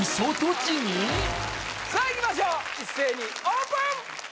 さあいきましょう一斉にオープン